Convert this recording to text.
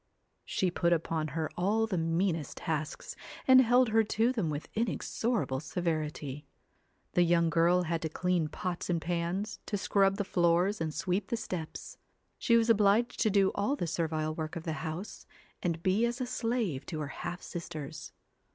She put upon her all the meanest tasks, and held her to them with inexorable severity. The young girl had to clean pots and pans, to scrub the floors and sweep the steps. She was obliged to do all the servile work of the house, and be as a slave to her half sisters.